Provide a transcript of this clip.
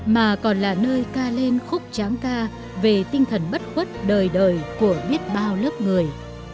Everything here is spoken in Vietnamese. mà còn là nơi ca lên khúc tráng ca về tinh thần bất khuất đời đời của biết bao lớp người